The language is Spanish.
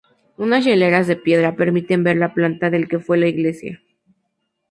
Unas hileras de piedra permiten ver la planta del que fue la iglesia.